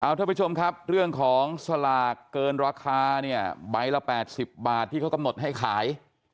ท่านผู้ชมครับเรื่องของสลากเกินราคาเนี่ยใบละ๘๐บาทที่เขากำหนดให้ขาย